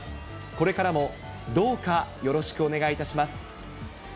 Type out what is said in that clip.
これからもどうかよろしくお願いいたします。